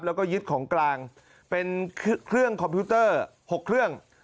แล้วก็ยึดของกลางเป็นเครื่องคอมพิวเตอร์๖เครื่อง